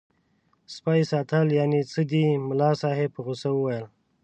د سپي ساتل یعنې څه دي ملا صاحب په غوسه وویل.